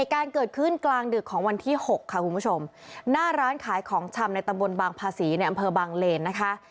การเกิดขึ้นกลางดึกของวันที่๖ค่ะคุณผู้ชมหน้าร้านขายของชำในตำบลบางภาษีในอำเภอบางเลนนะคะ